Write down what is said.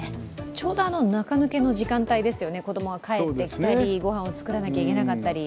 ちょうど中抜けの時間帯ですよね、子供が帰ってきたり、ごはんを作らなきゃいけなかったり。